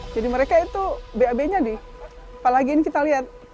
jadi mereka itu bab nya apalagi ini kita lihat